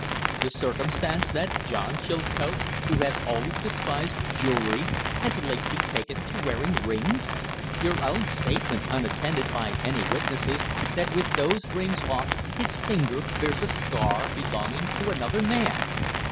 The circumstance that John Chilcote, who has always despised jewelry, has lately taken to wearing rings! Your own statement, unattended by any witnesses, that with those rings off his finger bears a scar belonging to another man!